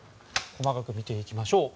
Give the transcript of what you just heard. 細かく見ていきましょう。